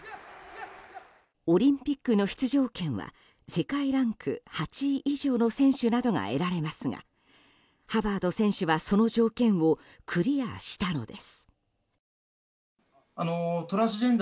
オリンピックの出場権は世界ランク８位以上の選手などが得られますがハバード選手はその条件をクリアしたのです。